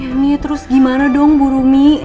ini terus gimana dong bu rumi